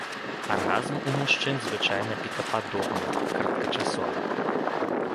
Аргазм у мужчын звычайна пікападобны, кароткачасовы.